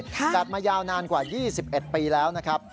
จัดมายาวนานกว่า๒๑ปีแล้วนะครับ